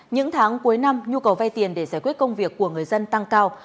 những tháng cuối năm nhu cầu vay tiền để giải quyết công việc của người dân tăng cao